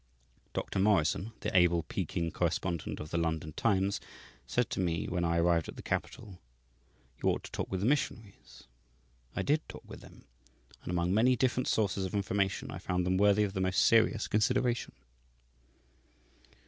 Dr. Morrison, the able Peking correspondent of the London Times, said to me when I arrived at the capital, "You ought to talk with the missionaries." I did talk with them, and among many different sources of information I found them worthy of the most serious consideration.